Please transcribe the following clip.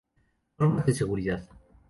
Normas de Seguridad.